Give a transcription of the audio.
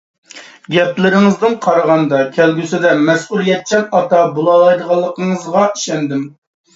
گەپلىرىڭىزدىن قارىغاندا كەلگۈسىدە مەسئۇلىيەتچان ئاتا بولالايدىغانلىقىڭىزغا ئىشەندىم.